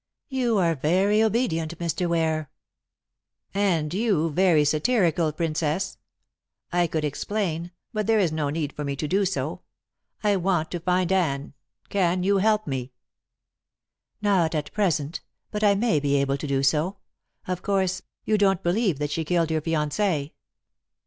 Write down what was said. "You are very obedient, Mr. Ware." "And you very satirical, Princess. I could explain, but there is no need for me to do so. I want to find Anne. Can you help me?" "Not at present, but I may be able to do so. Of course, you don't believe that she killed your fiancée?"